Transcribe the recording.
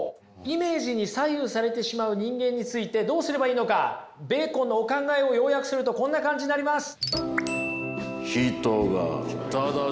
イメージに左右されてしまう人間についてどうすればいいのかベーコンのお考えを要約するとこんな感じになります。